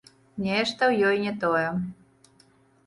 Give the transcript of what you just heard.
Нешта ў ёй не тое.